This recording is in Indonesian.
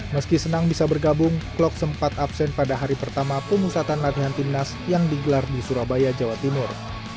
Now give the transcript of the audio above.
meski senang bisa bergabung klok sempat absen pada hari pertama pemusatan latihan timnas yang digelar di surabaya jawa timur